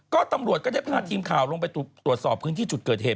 ก็ตำรวจก็ได้พาทีมข่าวลงไปตรวจสอบพื้นที่จุดเกิดเหตุ